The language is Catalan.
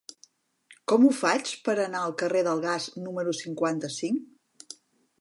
Com ho faig per anar al carrer del Gas número cinquanta-cinc?